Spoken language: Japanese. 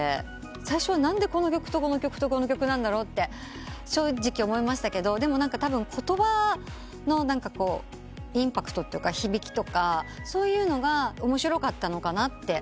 最初は何でこの曲とこの曲とこの曲なんだろうって正直思いましたけどでもたぶん言葉のインパクトというか響きとかそういうのが面白かったのかなと思いました。